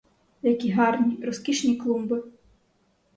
Які гарні, розкішні клумби.